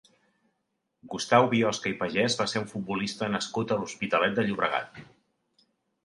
Gustau Biosca i Pagès va ser un futbolista nascut a l'Hospitalet de Llobregat.